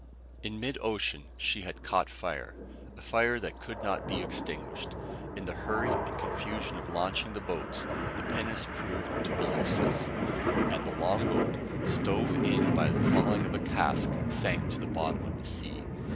In mid ocean she had caught fire, a fire that could not be extinguished. In the hurry and confusion of launching the boats the pinnace proved to be useless; and the longboat, stove in by the falling of a cask, sank to the bottom of the sea.